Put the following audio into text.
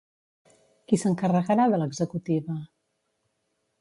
Qui s'encarregarà de l'executiva?